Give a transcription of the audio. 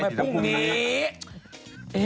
ไม่พรุ่งนี้